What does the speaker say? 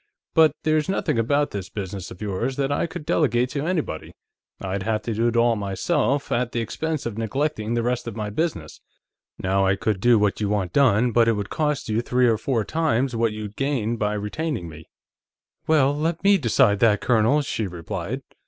But there's nothing about this business of yours that I could delegate to anybody; I'd have to do it all myself, at the expense of neglecting the rest of my business. Now, I could do what you want done, but it would cost you three or four times what you'd gain by retaining me." "Well, let me decide that, Colonel," she replied.